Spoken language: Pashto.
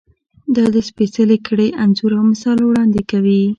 دا د سپېڅلې کړۍ انځور او مثال وړاندې کوي.